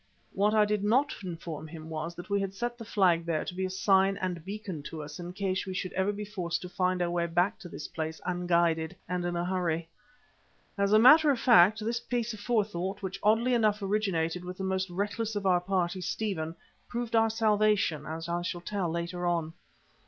What I did not inform him was that we had set the flag there to be a sign and a beacon to us in case we should ever be forced to find our way back to this place unguided and in a hurry. As a matter of fact, this piece of forethought, which oddly enough originated with the most reckless of our party, Stephen, proved our salvation, as I shall tell later on.